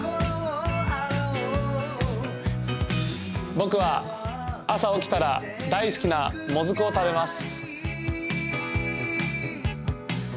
僕は朝起きたら大好きなもずくを食べます。